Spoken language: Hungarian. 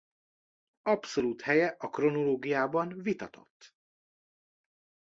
Abszolút helye a kronológiában vitatott.